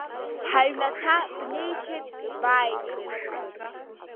Ҳаҩнаҭа бнеихьеит, бааихьеит.